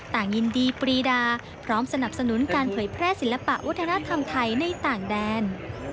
ต่างยินดีปรีดาพร้อมสนับสนุนการเผยแพร่ศิลปะวัฒนธรรมไทยในต่างแดน